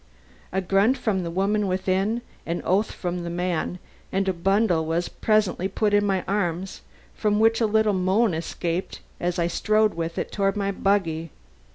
A grunt from the woman within, an oath from the man, and a bundle was presently put in my arms, from which a little moan escaped as I strode with it toward my buggy.